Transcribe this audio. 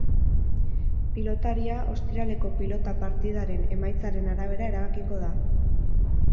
Pilotaria, ostiraleko pilota partidaren emaitzaren arabera erabakiko da.